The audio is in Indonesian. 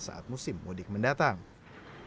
kita akan mencari jalan yang lebih mudik untuk mereka